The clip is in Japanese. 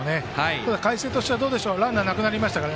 ただ海星としてはランナーなくなりましたから。